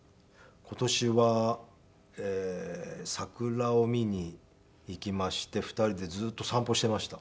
今年は桜を見に行きまして２人でずっと散歩していました。